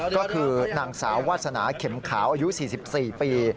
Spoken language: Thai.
ก็คือนางสาววาสนาเข็มขาวอายุ๔๔ปี